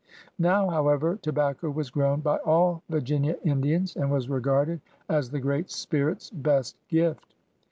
Now, however, tobacco was grown by all Virginia In dians, and was regarded as the Great Spirit's best gift.